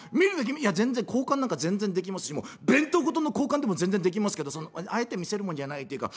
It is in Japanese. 「いや交換なんか全然できますし弁当ごとの交換でも全然できますけどあえて見せるもんじゃないっていうか」。